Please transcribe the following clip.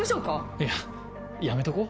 いややめとこう？